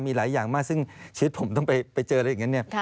มีหลายอย่างมากซึ่งชีวิตผมต้องไปเจออะไรอย่างนั้นเนี่ย